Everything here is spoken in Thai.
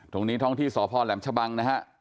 ตรงนี้ท้องที่สระพ่อแหล่มชะบัง